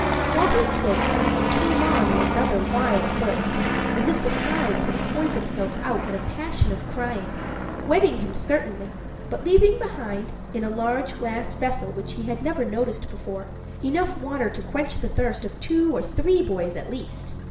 While he spoke, it came on in another wild burst, as if the clouds had poured themselves out in a passion of crying, wetting him certainly, but leaving behind, in a large glass vessel which he had never noticed before, enough water to quench the thirst of two or three boys at least.